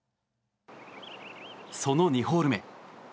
その２ホール目。